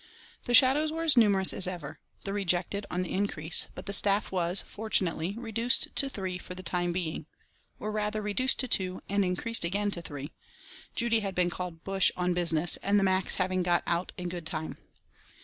The shadows were as numerous as ever, the rejected on the increase, but the staff was, fortunately, reduced to three for the time being; or, rather, reduced to two, and increased again to three: Judy had been called "bush" on business, and the Macs having got out in good time.